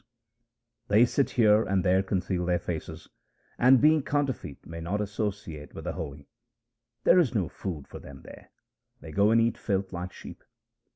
X 2 308 THE SIKH RELIGION They sitting here and there conceal their faces, and being counterfeit may not associate with the holy. There is no food for them there ; they go and eat filth like sheep.